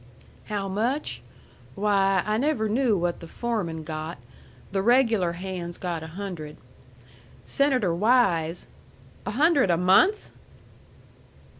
"How much? Why, I never knew what the foreman got. The regular hands got a hundred. Senator Wise " "A hundred a MONTH?"